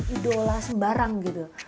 idola sembarang gitu